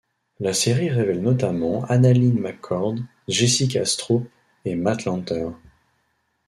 La série révèle notamment AnnaLynne McCord, Jessica Stroup et Matt Lanter.